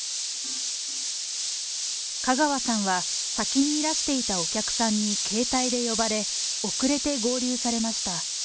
香川さんは先にいらしていたお客さんに携帯で呼ばれ、遅れて合流されました。